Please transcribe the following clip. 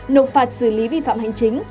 nộp phạt xử lý vi phạm hành chính